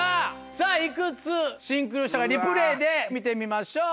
さぁいくつシンクロしたかリプレーで見てみましょう。